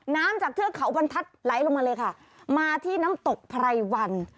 น้ำจากเทือกเขาบรรทัศน์ไหลลงมาเลยค่ะมาที่น้ำตกไพรวัน